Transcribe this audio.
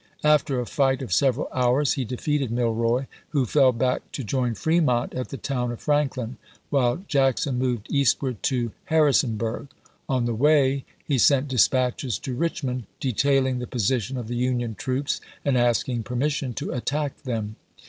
After a fight of several hours he defeated Milroy, who fell back to join Fremont at the town of Franklin, while Jackson moved eastward to Har risonburg. On the way he sent dispatches to Rich VoL. v.— 26 402 ABRAHAM LINCOLN CH.xxn. mond, detailing the position of the Union troops, and asking permission to attack them.